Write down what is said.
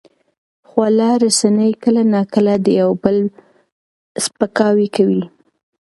خواله رسنۍ کله ناکله د یو بل سپکاوی کوي.